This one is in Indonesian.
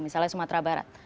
misalnya sumatera barat